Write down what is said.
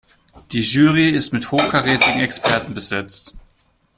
Die Jury ist mit hochkarätigen Experten besetzt.